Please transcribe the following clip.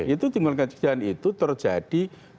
itu timbulkan kejadian itu terjadi